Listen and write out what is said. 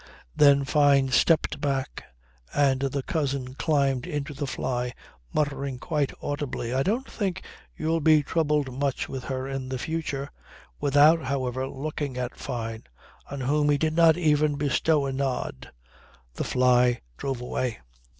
Then Fyne stepped back and the cousin climbed into the fly muttering quite audibly: "I don't think you'll be troubled much with her in the future;" without however looking at Fyne on whom he did not even bestow a nod. The fly drove away.